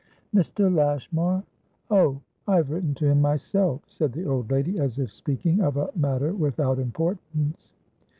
"Mr. Lashmar? Oh, I have written to him myself," said the old lady, as if speaking of a matter without importance.